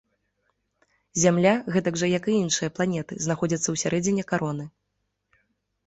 Зямля, гэтак жа як і іншыя планеты, знаходзяцца ўсярэдзіне кароны.